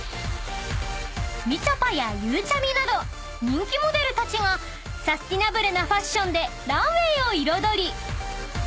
［みちょぱやゆうちゃみなど人気モデルたちがサスティナブルなファッションでランウェイを彩り］